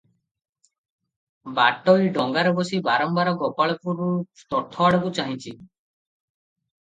ବାଟୋଇ ଡଙ୍ଗାରେ ବସି ବାରମ୍ବାର ଗୋପାଳପୁର ତୋଠଆଡ଼କୁ ଚାହିଁଛି ।